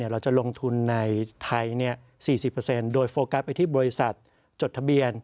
เราจะลงทุนในไทย๔๐โดยโฟกัสไปที่บริษัทจดทะเบียน